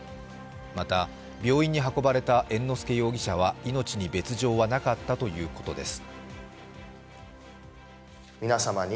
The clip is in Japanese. また、病院に運ばれた猿之助容疑者は命に別状はなかったということです。